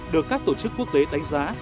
được các tổ chức quốc tế đánh giá